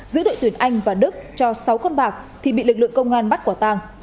giữa đội tuyển anh và đức cho sáu con bạc thì bị lực lượng công an bắt quả tàng